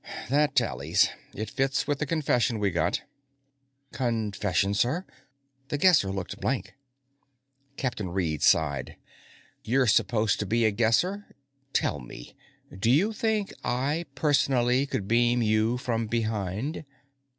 "That tallies. It fits with the confession we got." "Confession, sir?" The Guesser looked blank. Captain Reed sighed. "You're supposed to be a Guesser. Tell me, do you think I personally, could beam you from behind?"